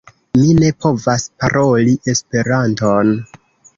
Mi ne povas paroli Esperanton!